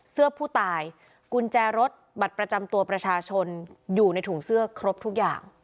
เสื้อผู้ตายกุญแจรถบัตรประจำตัวประชาชนอยู่ในถุงเสื้อครบทุกอย่าง